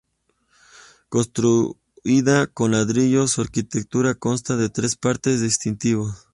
Construida con ladrillos, su arquitectura consta de tres partes distintivas.